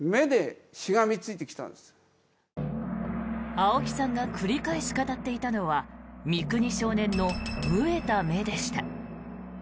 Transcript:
青木さんが繰り返し語っていたのは三國少年の飢えた目でした。